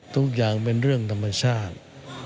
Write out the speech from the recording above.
ทุกอย่างเป็นเรื่องธรรมชาติ